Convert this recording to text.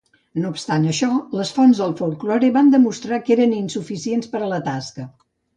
No obstant això, les fonts del folklore van demostrar que eren insuficients per a la tasca.